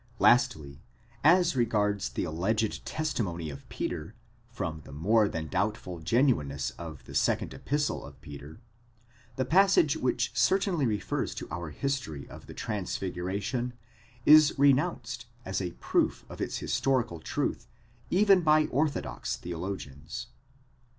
Lastly, as regards the alleged testimony of Peter, from the more than doubtful genuineness of the second Epistle of Peter, the passage which certainly refers to our history of the transfiguration is renounced as a proof of its historical truth even by orthodox theologians.